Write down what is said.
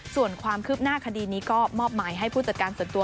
ส่วนความคืบหน้าคดีนี้ก็มอบหมายให้ผู้จัดการส่วนตัว